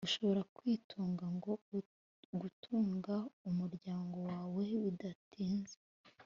ushobora kwitunga no gutunga umuryango wawe bidatinze